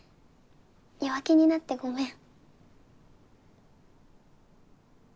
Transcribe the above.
弱気になってごめん